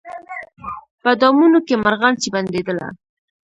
په دامونو کي مرغان چي بندېدله